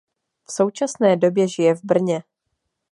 V současné době žije v Brně.